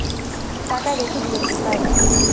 টাকা রেখে দিয়েছি, বাই।